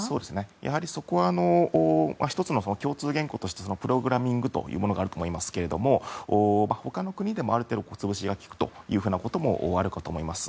やはり、そこは１つの共通言語としてプログラミングというものがあると思いますが他の国でもある程度つぶしが利くということもあるかと思います。